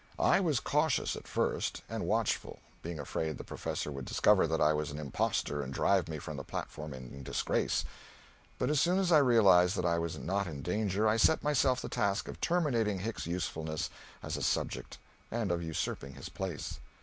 I was cautious at first, and watchful, being afraid the professor would discover that I was an impostor and drive me from the platform in disgrace; but as soon as I realized that I was not in danger, I set myself the task of terminating Hicks's usefulness as a subject, and of usurping his place.